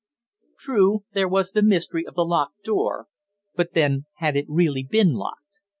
True, there was the mystery of the locked door. But then, had it really been locked?